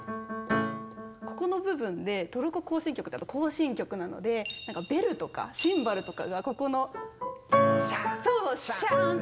ここの部分で「トルコ行進曲」だと行進曲なのでベルとかシンバルとかがここの。シャーン！